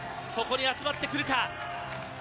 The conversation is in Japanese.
ここに集まってくるか。